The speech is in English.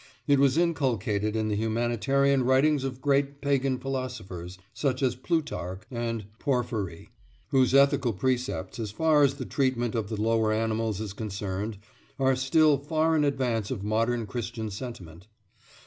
It was inculcated in the humanitarian writings of great "pagan" philosophers, such as Plutarch and Porphyry, whose ethical precepts, as far as the treatment of the lower animals is concerned, are still far in advance of modern Christian sentiment.